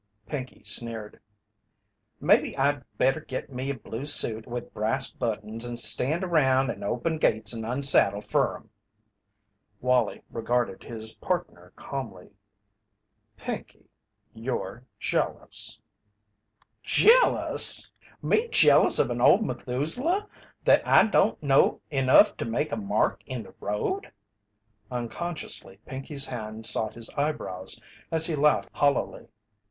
Pinkey sneered: "Mebbe I'd better git me a blue suit with brass buttons and stand around and open gates and unsaddle fer 'em." Wallie regarded his partner calmly. "Pinkey, you're jealous." "Jealous! Me jealous of an old Methuselah that don't know enough to make a mark in the road?" Unconsciously Pinkey's hand sought his eyebrows, as he laughed hollowly.